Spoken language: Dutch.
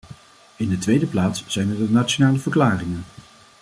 In de tweede plaats zijn er de nationale verklaringen.